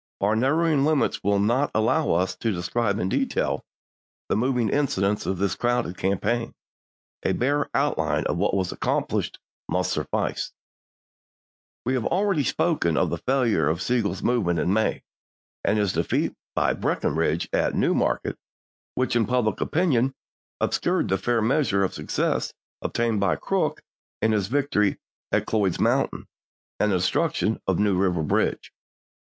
Our narrow ing limits will not allow us to describe in detail the moving incidents of this crowded campaign ; a bare outline of what was accomplished must suffice. We have already spoken of the failure of Sigel's movement in May and his defeat by Breckinridge at Newmarket, which in public opinion obscured the fair measure of success obtained by Crook in his victory at Cloyd's Mountain and the destruction of New Eiver bridge.